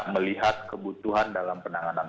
melihat kebutuhan dalam penanganan